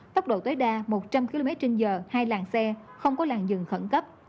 tốc độ tối đa một trăm linh km trên giờ hai làng xe không có làng dừng khẩn cấp